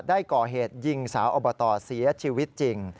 ได้ก่อเหตุยิงสาวอบตเสียชีวิตจริง